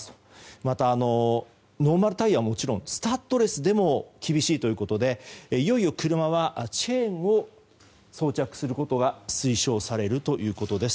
また、ノーマルタイヤはもちろんスタッドレスでも厳しいということでいよいよ車はチェーンを装着することが推奨されるということです。